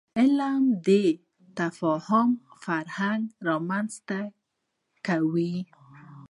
علم د تفاهم فرهنګ رامنځته کوي.